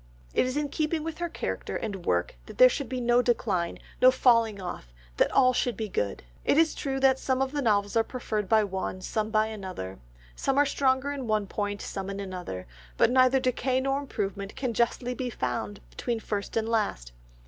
It is in keeping with her character and work that there should be no decline, no falling off, that all should be good; it is true that some of the novels are preferred by one, some by another; some are stronger in one point, some in another, but neither decay nor improvement can justly be found between first and last.